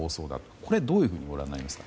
これは、どういうふうにご覧になりますか？